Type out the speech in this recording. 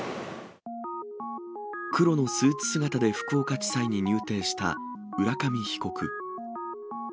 黒のスーツ姿で福岡地裁に入廷した浦上被告。